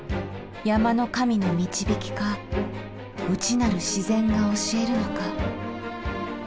山の神の導きか内なる自然が教えるのか。